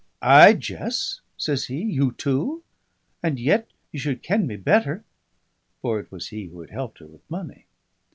"Ay, Jess?" says he. "You too? And yet ye should ken me better." For it was he who had helped her with money.